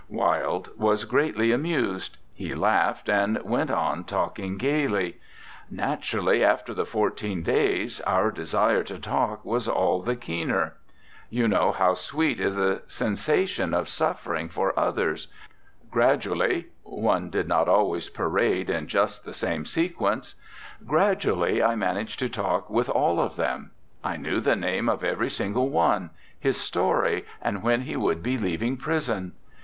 Wilde was greatly amused; he laughed, and went on talking gaily: "Naturally, after the fourteen days, our desire to talk was all the keener. You know how sweet is the sensation of ANDRE GIDE suffering for others. Gradually one did not always parade in just the same sequence gradually I managed to talk with all of them! I knew the name of every single one, his story, and when he would be leaving prison.